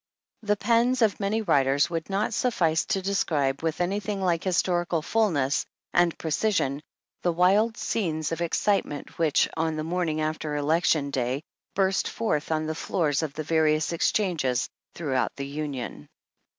The pens of many writers would not suffice to describe with anything like historical fullness and precision, the wild scenes of excitement which, on the morning after election day, burst forth on the floors of the various exchanges throughout the Union.